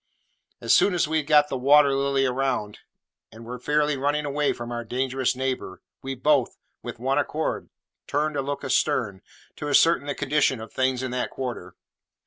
As soon as we had got the Water Lily round, and were fairly running away from our dangerous neighbour, we both, with one accord, turned a look astern, to ascertain the condition of things in that quarter.